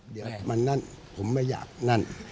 เดี๋ยวมันนั่นผมไม่อยากนั่น